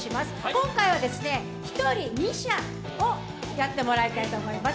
今回は１人２射をやってもらいたいと思います。